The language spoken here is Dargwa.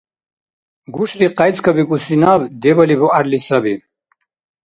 Гушли къяйцӀкабикӀуси наб дебали бугӀярли саби.